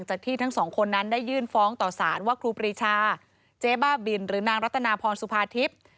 ที่ทั้งสองคนนั้นได้ยื่นฟ้องต่อสารว่าครูปรีชาเจ๊บ้าบินหรือนางรัตนาพรสุภาทิพย์